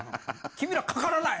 「君らかからない」。